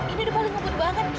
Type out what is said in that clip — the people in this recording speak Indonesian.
ini udah paling ngebut banget gi